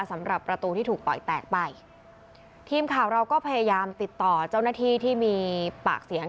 สำหรับประตูที่ถูกต่อยแตกไปทีมข่าวเราก็พยายามติดต่อเจ้าหน้าที่ที่มีปากเสียง